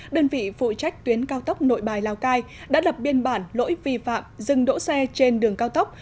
đơn vị phụ trách tuyến cao tốc nội bài lào cai đã lập biên bản lỗi vi phạm dừng đỗ xe trên đường cao tốc